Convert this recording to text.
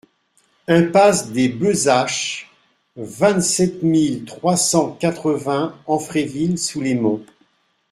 Impasse des Besaches, vingt-sept mille trois cent quatre-vingts Amfreville-sous-les-Monts